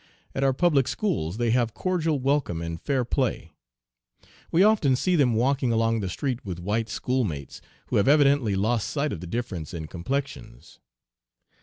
At our public schools they have cordial welcome and fair play. We often see them walking along the street with white schoolmates who have evidently lost sight of the difference in complexions.